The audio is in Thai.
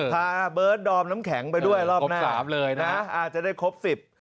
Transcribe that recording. พาเบิร์ดดอมน้ำแข็งไปด้วยรอบหน้าจะได้ครบ๑๐